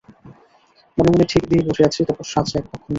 মনে মনে ঠিক দিয়ে বসে আছি, তপস্যা আছে অক্ষুণ্ন।